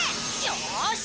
よし！